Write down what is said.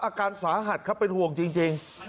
อาการสาหัสครับเป็นห่วงจริง